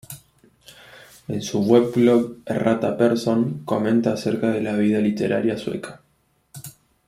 En su weblog "Errata" Persson comenta acerca de la vida literaria Sueca.